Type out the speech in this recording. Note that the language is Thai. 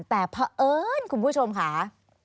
แต่เพราะเอิญคุณผู้ชมค่ะ